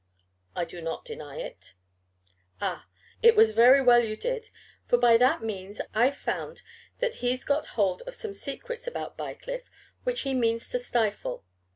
"I do not deny it." "Ah! it was very well you did, for by that means I've found that he's got hold of some secrets about Bycliffe which he means to stifle.